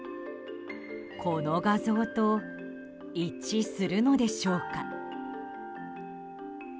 この画像と一致するのでしょうか。